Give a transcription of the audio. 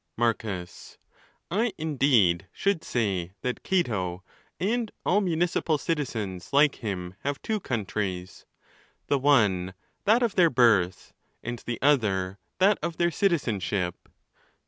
Marcus.—I indeed should say that Cato, and all municipal citizens like him, have two countries,—the one, that of their birth, and the other, that of their citizenship.